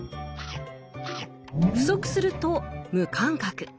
不足すると「無感覚」。